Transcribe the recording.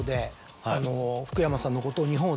福山さんのことを。